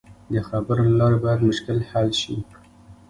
د خبرو له لارې باید مشکل حل شي.